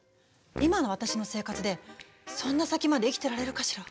今の私の生活でそんな先まで生きてられるかしら？